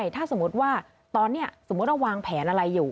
ถ้าสมมุติว่าตอนนี้สมมุติเราวางแผนอะไรอยู่